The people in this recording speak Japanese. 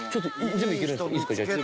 全部いけるんすか。